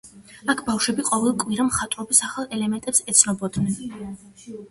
აქ ბავშვები, ყოველ კვირა, მხატვრობის ახალ ელემენტებს ეცნობოდნენ.